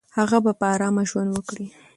هغه به په آرامه ژوند وکړي.